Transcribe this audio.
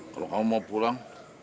kalau kamu mau pulang